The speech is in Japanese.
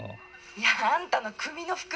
「いやあんたの組の服。